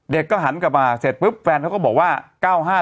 หันกลับมาเสร็จปุ๊บแฟนเขาก็บอกว่า